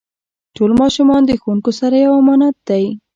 ټول ماشومان د ښوونکو سره یو امانت دی.